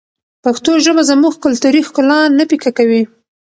پښتو ژبه زموږ کلتوري ښکلا نه پیکه کوي.